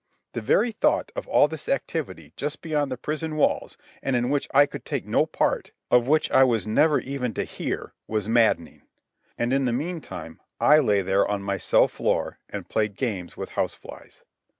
The very thought of all this activity just beyond the prison walls and in which I could take no part, of which I was never even to hear, was maddening. And in the meantime I lay there on my cell floor and played games with house flies.